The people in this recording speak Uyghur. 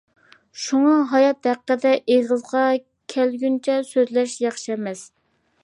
شۇڭا ھايات ھەققىدە ئېغىزغا كەلگەنچە سۆزلەش ياخشى ئەمەس.